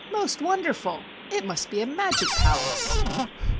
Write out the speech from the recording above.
"Most wonderful! It must be a magic palace!"